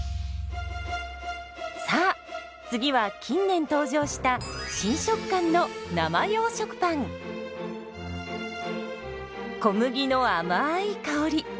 さあ次は近年登場した新食感の小麦のあまい香り。